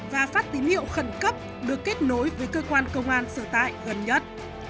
và phát tín hiệu khẩn cấp được kết nối với cơ quan công an sở tại gần nhất